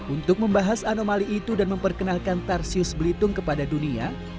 untuk membahas anomali itu dan memperkenalkan tarsius belitung kepada dunia